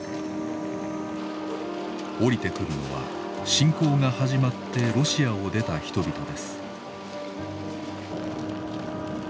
降りてくるのは侵攻が始まってロシアを出た人々です。